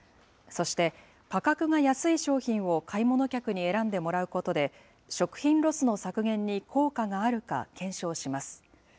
そして、価格が安い商品を買い物客に選んでもらうことで、食品ロスの削減に効果があるか検証します。